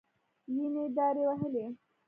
وينې دارې وهلې.